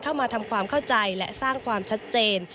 เข้ามาทำความเข้าใจและสร้างความชัดเจน